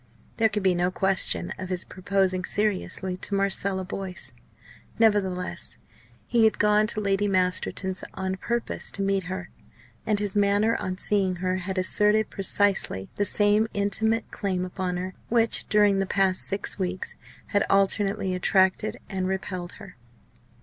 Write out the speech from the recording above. There could be no question of his proposing seriously to Marcella Boyce. Nevertheless, he had gone to Lady Masterton's on purpose to meet her; and his manner on seeing her had asserted precisely the same intimate claim upon her, which, during the past six weeks, had alternately attracted and repelled her.